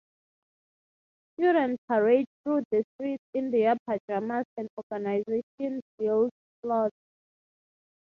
Students parade through the streets in their pajamas and organizations build floats.